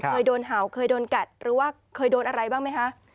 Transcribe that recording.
เคยโดนเห่าเคยโดนกัดหรือว่าเคยโดนอะไรบ้างไหมคะ